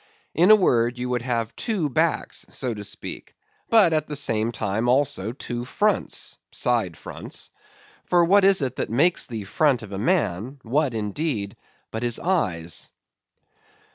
In a word, you would have two backs, so to speak; but, at the same time, also, two fronts (side fronts): for what is it that makes the front of a man—what, indeed, but his eyes?